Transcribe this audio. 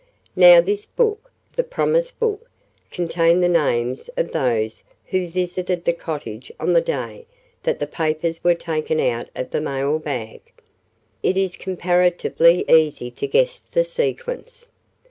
Now this book the promise book contained the names of those who visited the cottage on the day that the papers were taken out of the mailbag. It is comparatively easy to guess the sequence."